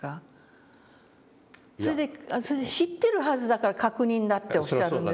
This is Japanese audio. それで知ってるはずだから確認だっておっしゃるんです。